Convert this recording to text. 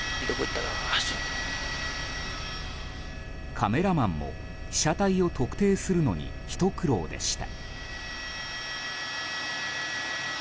カメラマンも被写体を特定するのに、ひと苦労でした。